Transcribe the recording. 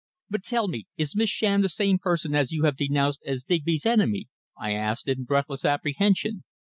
"But, tell me, is Miss Shand the same person as you have denounced as Digby's enemy?" I asked in breathless apprehension.